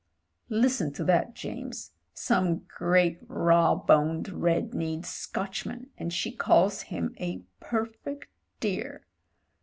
"Listen to that, James. Some great raw boned, red kneed Scotchman, and she calls him a perfect dear!"